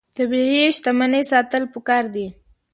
طبیعي شتمنۍ ساتل پکار دي.